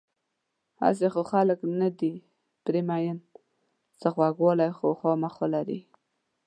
هسې خو خلک نه دي پرې مین، څه خوږوالی خو خوامخا لري.